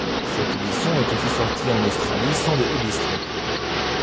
Cette édition est aussi sortie en Australie sans le Obi-strip.